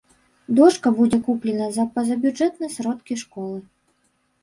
Дошка будзе куплена за пазабюджэтныя сродкі школы.